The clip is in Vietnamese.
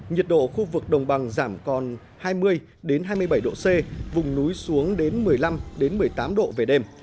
nhiệt độ khu vực đồng bằng giảm còn hai mươi hai mươi bảy độ c vùng núi xuống đến một mươi năm một mươi tám độ về đêm